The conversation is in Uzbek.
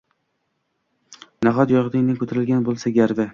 Nahot, yodingdan ko`tarilgan bo`lsa, Garvi